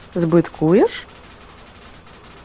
— Збиткуєш?!